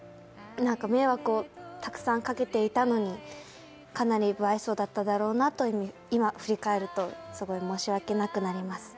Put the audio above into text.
迷惑をたくさんかけていたのにかなり無愛想だっただろうなと今振り返るとすごい申し訳なくなります。